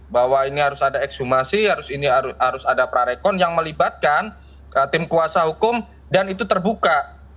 bahwa ini harus ada ekshumasi harus ini harus ada prarekon yang melibatkan tim kuasa hukum dan itu terbuka